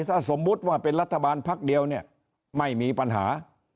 ถ้าสมมุติว่าเป็นรัฐบาลพักเดียวเนี่ยไม่มีปัญหา